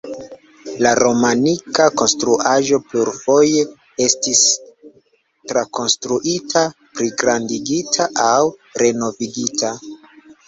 La romanika konstruaĵo plurfoje estis trakonstruita, pligrandigita aŭ renovigita.